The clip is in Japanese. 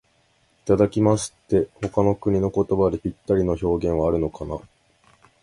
「いただきます」って、他の国の言葉でぴったりの表現はあるのかな。